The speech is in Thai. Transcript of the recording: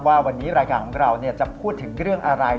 ว่าวันนี้รายการของเราจะพูดถึงเรื่องอะไร